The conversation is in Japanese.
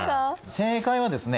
正解はですね